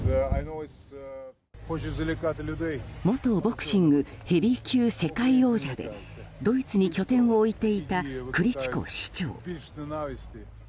元ボクシングヘビー級世界王者でドイツに拠点を置いていたクリチコ市長。